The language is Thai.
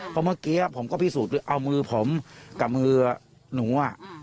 เพราะเมื่อกี้ผมก็พิสูจน์เอามือผมกับมือหนู